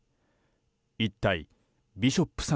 一体ビショップさん